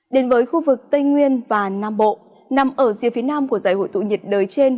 đến với khu vực tây nguyên và nam bộ nằm ở dưới phía nam của giải hội tụ nhiệt đới trên